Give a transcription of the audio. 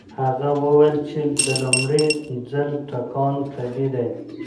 هغه وویل چې د لومړي ځل ټکان طبيعي دی.